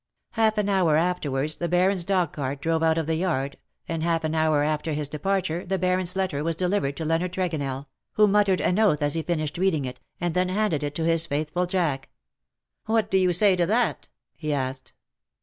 ^^ Half an hour afterwards the Baron^s dogcart drove out of the yard, and half an hour after his departure the Barony's letter was delivered to Leonard Tregonell, who muttered an oath as he finished reading itj and then handed it to his faithful Jack. '^ What do you say to that V he asked.